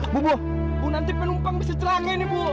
bu nanti penumpang bisa terangin ibu